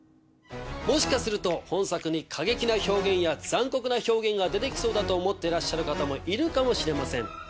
もしかすると本作に過激な表現や残酷な表現が出て来そうだと思ってらっしゃる方もいるかもしれません。